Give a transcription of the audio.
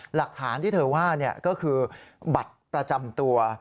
หลักฐานที่เธอว่าก็คือบัตรประจำตัว